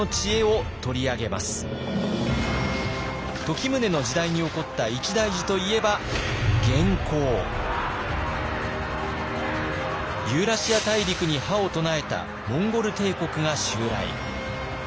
時宗の時代に起こった一大事といえばユーラシア大陸に覇を唱えたモンゴル帝国が襲来。